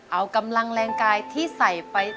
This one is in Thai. เอากำลังแรงกายที่ใส่ไป